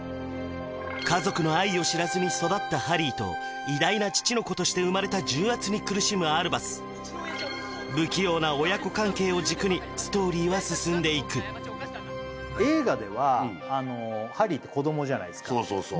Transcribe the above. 家族の愛を知らずに育ったハリーと偉大な父の子として生まれた重圧に苦しむアルバスを軸にストーリーは進んでいくそうそう